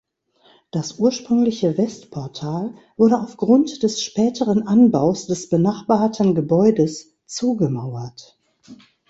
Das ursprüngliche Westportal wurde aufgrund des späteren Anbaus des benachbarten Gebäudes zugemauert.